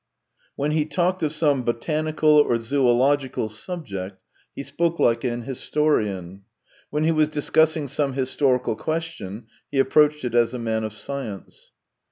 When he talked of some botanical or zoological subject, he spoke like an historian; when he was discussing some historical question, he approached it as a man of science.